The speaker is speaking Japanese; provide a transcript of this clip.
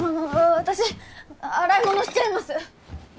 私洗い物しちゃいます